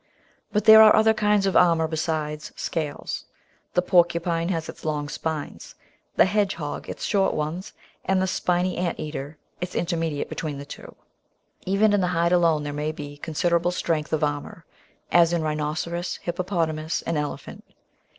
But there are other kinds of armour besides scales. The Porcupine has its long spines, the Hedgehog its short ones, and the Spiny Ant eater is intermediate between the two. Even in the hide alone there may be considerable strength of armour — as in Rhinoceros, Hippopotamus, and Elephant.